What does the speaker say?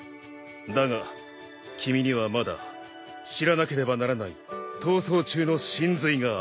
だが君にはまだ知らなければならない逃走中の神髄がある。